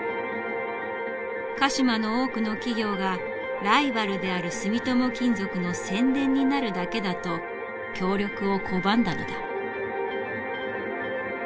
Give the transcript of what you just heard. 鹿島の多くの企業がライバルである住友金属の宣伝になるだけだと協力を拒んだのだ。